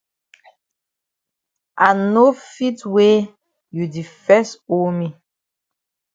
I no fit wey you di fes owe me.